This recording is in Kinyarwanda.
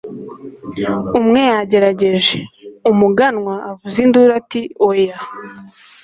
umwe yagerageje. umuganwa avuza induru ati 'oya